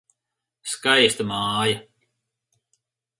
Skaista māja.